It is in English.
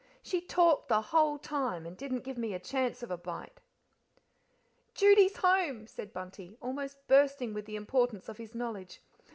"She talked the whole time, and didn't give me a chance of a bite." "Judy's home," said Bunty, almost bursting with the importance of his knowledge.